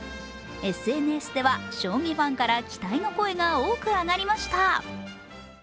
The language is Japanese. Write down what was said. ＳＮＳでは、将棋ファンから期待の声が多く上がりました。